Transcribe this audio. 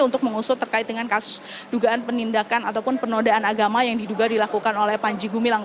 untuk mengusut terkait dengan kasus dugaan penindakan ataupun penodaan agama yang diduga dilakukan oleh panji gumilang